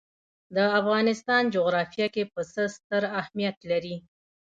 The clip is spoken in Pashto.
د افغانستان جغرافیه کې پسه ستر اهمیت لري.